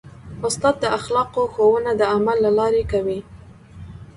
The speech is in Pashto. استاد د اخلاقو ښوونه د عمل له لارې کوي.